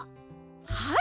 はい。